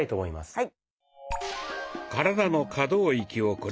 はい。